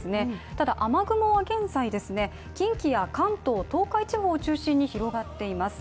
ただ雨雲は現在、近畿や関東東海地方を中心に広がっています